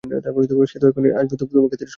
সে তো এক্ষুনি এখানে আসবে আমাকে তিরস্কার করতে।